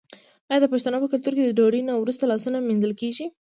آیا د پښتنو په کلتور کې د ډوډۍ نه وروسته لاسونه نه مینځل کیږي؟